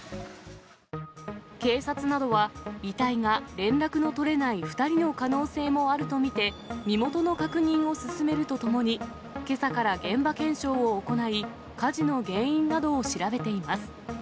警察などは、遺体が連絡の取れない２人の可能性もあると見て、身元の確認を進めるとともに、けさから現場検証を行い、火事の原因などを調べています。